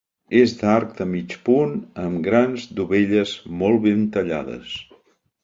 És d'arc de mig punt amb grans dovelles molt ben tallades.